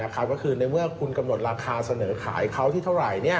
ก็คือในเมื่อคุณกำหนดราคาเสนอขายเขาที่เท่าไหร่